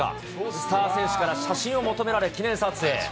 スター選手から写真を求められ、記念撮影。